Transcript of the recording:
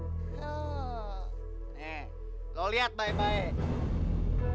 oh nih lo lihat baik baik